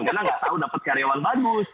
karena nggak tahu dapat karyawan bagus